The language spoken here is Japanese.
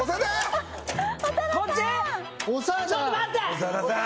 長田さん。